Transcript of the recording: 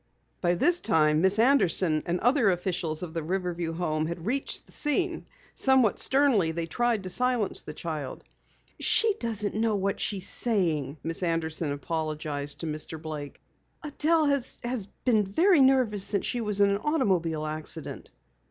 By this time, Miss Anderson and other officials of the Riverview Home had reached the scene. Somewhat sternly they tried to silence the child. "She doesn't know what she is saying," Miss Anderson apologized to Mr. Blake. "Adelle has been very nervous since she was in an automobile accident."